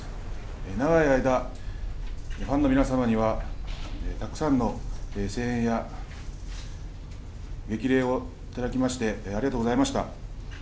長い間ファンの皆様にはたくさんの声援や激励をいただきましてありがとうございました。